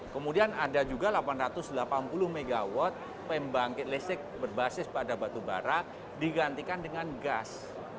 kemudian ada juga delapan ratus delapan puluh mw pembangkit listrik berbasis pada batubara digantikan dengan gas